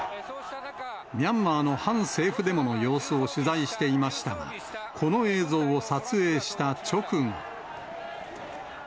ミャンマーの反政府デモの様子を取材していましたが、この映像を撮影した直後。